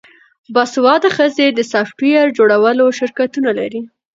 باسواده ښځې د سافټویر جوړولو شرکتونه لري.